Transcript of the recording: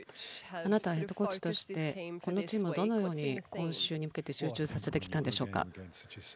あなたはヘッドコーチとしてこのチームをどのようにこの試合に向けて集中させてきたんでしょうか？